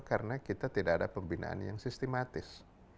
karena kita tidak ada pembinaan yang sistematis